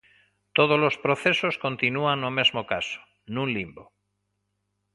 Todos os procesos continúan no mesmo caso, nun limbo.